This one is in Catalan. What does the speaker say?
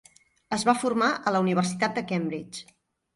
Es va formar a la Universitat de Cambridge.